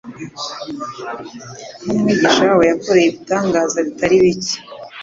aho Umwigisha wabo yakoreye ibitangaza bitari bike.